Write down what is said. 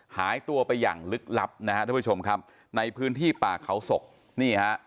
หายตัวไปอย่างลึกลับนะฮะทุกผู้ชมครับในพื้นที่ป่าเขาศกนี่ฮะ